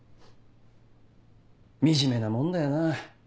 惨めなもんだよな。